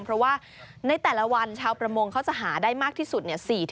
เพราะว่าในแต่ละวันชาวประมงเขาจะหาได้มากที่สุด